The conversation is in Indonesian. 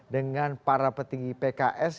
dengan para petinggi pks